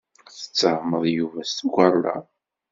Tettehmeḍ Yuba s tukerḍa.